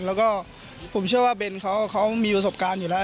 แล้วก็ผมเชื่อว่าเบนเขาเขามีวาสบการณ์อยู่แล้วอะไร